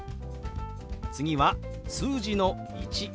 次は数字の「１」。